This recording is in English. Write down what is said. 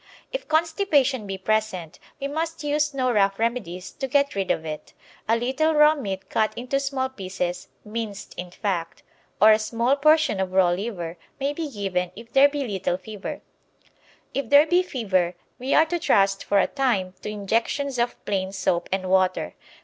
If constipation be present, we must use no rough remedies to get rid of it. A little raw meat cut into small pieces minced, in fact or a small portion of raw liver, may be given if there be little fever; if there be fever, we are to trust for a time to injections of plain soap and water.